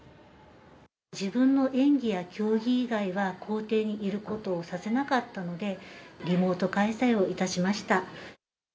自分の演技や競技以外は、校庭にいることをさせなかったので、リモート開催をいたしました。